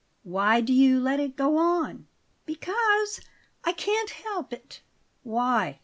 "Why do you let it go on?" "Because I can't help it." "Why?"